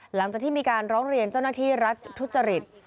หลังจากที่มีการร้องเรียนเจ้าหน้าที่รัฐทุจริต